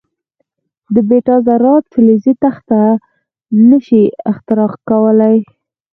د بیټا ذرات فلزي تخته نه شي اختراق کولای.